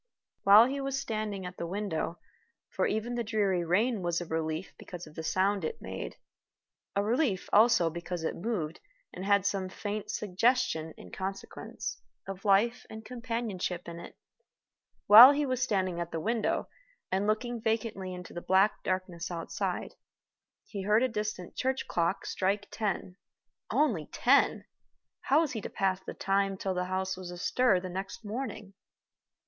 While he was still standing at the window for even the dreary rain was a relief, because of the sound it made; a relief, also, because it moved, and had some faint suggestion, in consequence, of life and companionship in it while he was standing at the window, and looking vacantly into the black darkness outside, he heard a distant church clock strike ten. Only ten! How was he to pass the time till the house was astir the next morning?